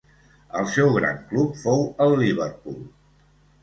El seu gran club fou el Liverpool.